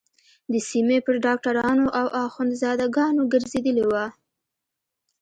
د سيمې پر ډاکترانو او اخوندزاده گانو گرځېدلې وه.